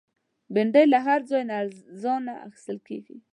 بېنډۍ له هر ځای نه ارزانه اخیستل کېږي